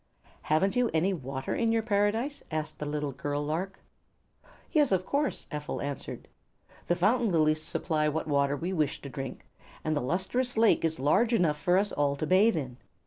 "Haven't you any water in your paradise?" asked the little girl lark. "Yes, of course," Ephel answered. "The fountain lilies supply what water we wish to drink, and the Lustrous Lake is large enough for us all to bathe in.